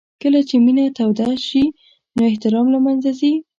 کله چې مینه توده شي نو احترام له منځه ځي.